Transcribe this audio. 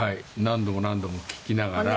何度も何度も聞きながら。